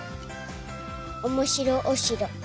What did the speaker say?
おもしろおしろ。